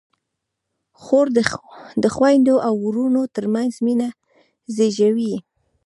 خور د خویندو او وروڼو ترمنځ مینه زېږوي.